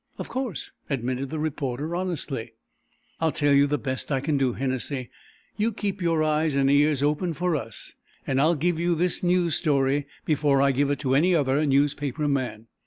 "Of course," admitted the reporter, honestly. "I'll tell you the best I can do, Hennessy. You keep your eyes and ears open for us, and I'll give you this news story before I give it to any other newspaper man."